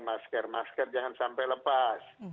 masker masker jangan sampai lepas